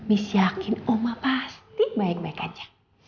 ibu yakin ibu pasti baik baik aja